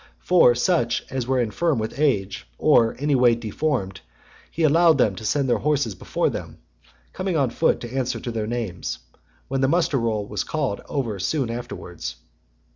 As for such as were infirm with age, or (102) any way deformed, he allowed them to send their horses before them, coming on foot to answer to their names, when the muster roll was called over soon afterwards.